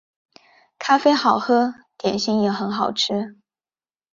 咖啡好喝，点心也很好吃